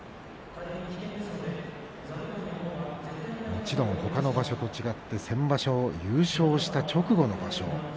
もちろん、ほかの場所と違って先場所、優勝した直後の場所。